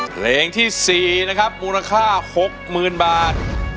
เพลงที่๔นะครับมูลค่า๖๐๐๐บาท